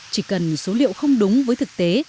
chỉ cần số liệu không đúng với thực tế